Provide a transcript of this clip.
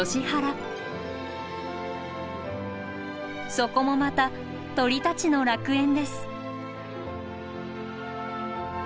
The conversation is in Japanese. そこもまた鳥たちの楽園です。